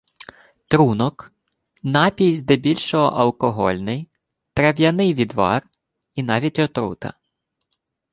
Трунок– напій, здебільшого – алкогольний; трав’яний відвар; і навіть отрута.